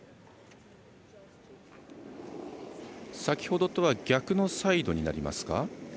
先ほどとは逆のサイドになりますか。